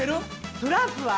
トランプは？